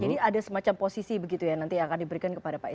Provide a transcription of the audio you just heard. jadi ada semacam posisi begitu ya nanti akan diberikan kepada pak sby